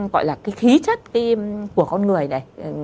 cái khí chất của con người này